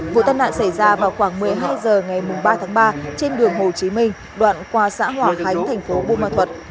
vụ tân nạn xảy ra vào khoảng một mươi hai h ngày ba ba trên đường hồ chí minh đoạn qua xã hòa khánh tp bô ma thuật